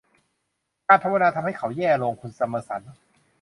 การภาวนาทำให้เขาแย่ลง คุณซัมเมอร์สัน